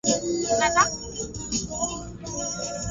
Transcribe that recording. siku kama ikitokea mvua zikanyesha unajikuta hata muda mwingine